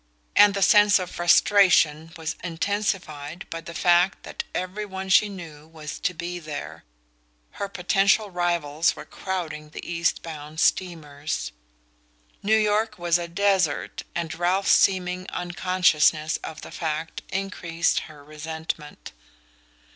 And the sense of frustration was intensified by the fact that every one she knew was to be there: her potential rivals were crowding the east bound steamers. New York was a desert, and Ralph's seeming unconsciousness of the fact increased her resentment.